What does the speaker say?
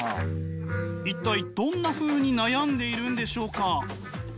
一体どんなふうに悩んでいるんでしょうか。